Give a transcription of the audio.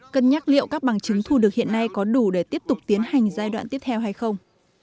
cân nhắc liệu các bằng chứng thu được hiện nay có đủ để tiếp tục tiến hành giai đoạn tiếp theo hay không